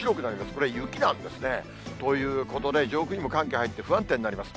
これ、雪なんですね。ということで、上空にも寒気入って、不安定になります。